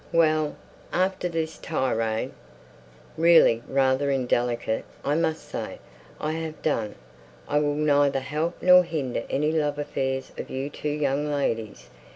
"Well, after this tirade really rather indelicate, I must say I have done. I will neither help nor hinder any love affairs of you two young ladies.